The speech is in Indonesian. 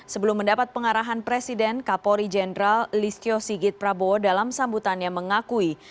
sebelum mendapat pengarahan presiden kapolri jenderal listio sigit prabowo dalam sambutannya mengakui